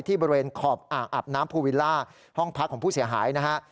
บริเวณขอบอ่างอาบน้ำภูวิลล่าห้องพักของผู้เสียหายนะฮะ